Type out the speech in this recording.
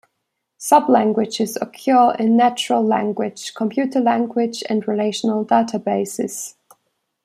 Sublanguages occur in natural language, computer language, and relational databases.